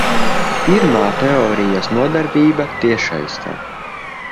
Pirmā teorijas nodarbība tiešsaistē.